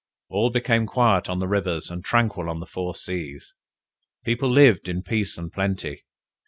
All became quiet on the rivers, and tranquil on the four seas. People lived in peace and plenty.